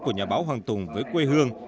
của nhà báo hoàng tùng với quê hương